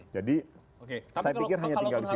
jadi saya pikir hanya tinggal di situ